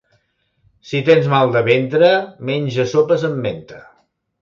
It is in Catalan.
Si tens mal de ventre menja sopes amb menta.